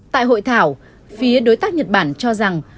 tại hội thảo phía đối tác nhật bản cho rằng